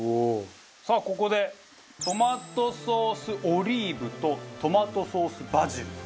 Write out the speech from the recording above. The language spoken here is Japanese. さあここでトマトソースオリーブとトマトソースバジル